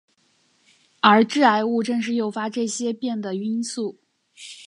而致癌物正是诱发这些变的因素。